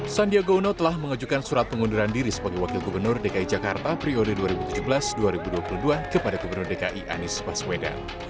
sandiaga uno telah mengajukan surat pengunduran diri sebagai wakil gubernur dki jakarta periode dua ribu tujuh belas dua ribu dua puluh dua kepada gubernur dki anies baswedan